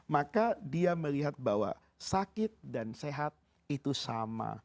maka dia melihat bahwa sakit dan sehat itu sama